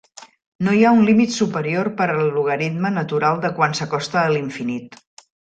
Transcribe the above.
No hi ha un límit superior per al logaritme natural de quan s'acosta a l'infinit.